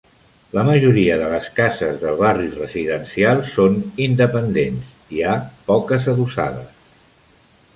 La majoria de les cases del barri residencial són independents; hi ha poques adossades.